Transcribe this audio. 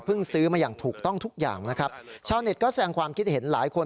ซื้อมาอย่างถูกต้องทุกอย่างนะครับชาวเน็ตก็แสงความคิดเห็นหลายคน